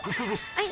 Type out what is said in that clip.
はい。